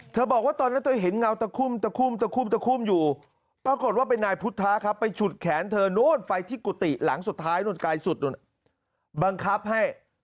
เธอบอกว่าตอนนั้นเธอเห็นเงา